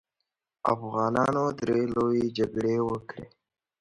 افغانانو درې لويې جګړې وکړې.